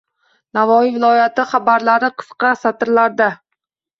Navoiy viloyati xabarlari – qisqa satrlarda